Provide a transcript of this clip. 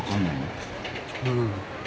うん。